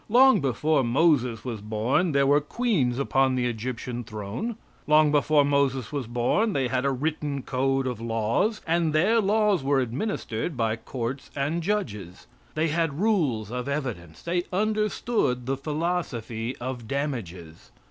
Long before Moses was born there were queens upon the Egyptian throne. Long before Moses was born they had a written code of laws, and their laws were administered by courts and judges. They had rules of evidence. They understood the philosophy of damages.